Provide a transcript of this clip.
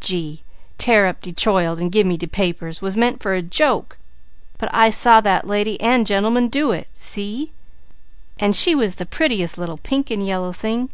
Gee! 'Tear up de choild and gimme de papers' was meant for a joke; but I saw that lady and gentleman do it. See? And she was the prettiest little pink and yellow thing.